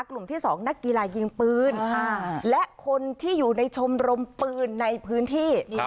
กลุ่มที่๒นักกีฬายิงปืนและคนที่อยู่ในชมรมปืนในพื้นที่